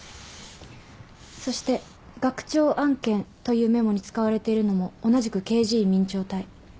そして「学長案件」というメモに使われているのも同じくＫＧ明朝体。